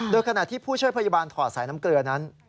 โดยขณะที่ผู้ช่วยพยาบาลถอดสายน้ำเกลือนั้น